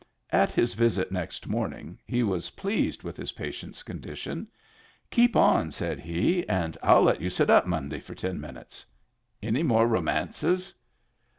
At his visit next morning, he was pleased with his patient's condition. " Keep on," said he, " and I'll let you sit up Monday for ten minutes. Any more romances